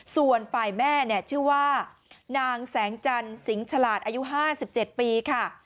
ส่วนฝ่ายแม่เนี่ยชื่อว่านางแสงจันทร์สิงหลาดอายุ๕๗ปีค่ะ